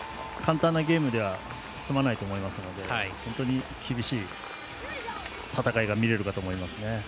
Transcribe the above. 簡単なゲームでは済まないと思いますので本当に厳しい戦いが見れるかと思いますね。